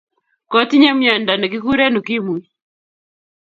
Kotinye mwiondo nekikuren ukimwii